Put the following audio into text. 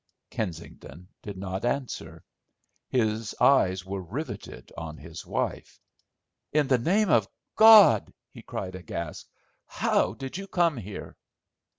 Kensington did not answer. His eyes were riveted on his wife. "In the name of God," he cried aghast, "how did you come here?"